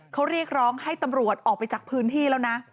เขาเรียกร้องให้ตำรวจออกไปจากพื้นที่แล้วนะ